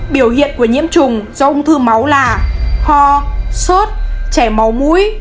biểu hiện của nhiễm trùng do ung thư máu là ho sốt chảy máu mũi